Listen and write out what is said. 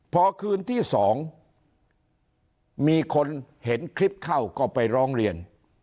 พอคืนที่๒มีคนเห็นคลิปเข้าก็ไปร้องเรียน